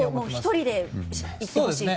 １人でいってほしいと。